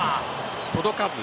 届かず。